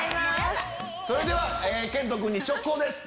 それでは賢人君に直行です。